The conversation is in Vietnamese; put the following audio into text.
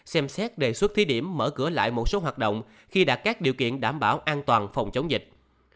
xem xét đề xuất thí điểm mở cửa lại một số hoạt động khi đạt các điều kiện đảm bảo an toàn phòng chống dịch